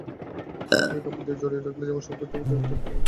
ঘড়িকে কাপড় দিয়ে জড়িয়ে রাখলে যেমন শব্দ ওঠে, ঠিক তেমনি।